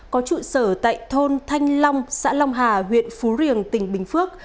có trụ sở tại thôn thanh long xã long hà huyện phú riềng tỉnh bình phước